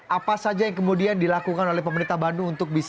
apa saja yang kemudian dilakukan oleh pemerintah bandung untuk bisa